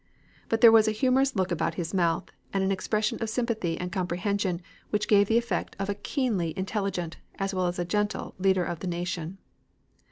But there was a humorous look about his mouth, and an expression of sympathy and comprehension which gave the effect of a keenly intelligent, as well as gentle, leader of the nation.